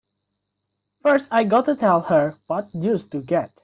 First I gotta tell her what news to get!